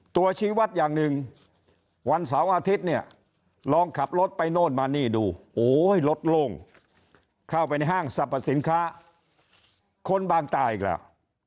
ชีวัตรอย่างหนึ่งวันเสาร์อาทิตย์เนี่ยลองขับรถไปโน่นมานี่ดูโอ้ยรถโล่งเข้าไปในห้างสรรพสินค้าคนบางตาอีกแล้ว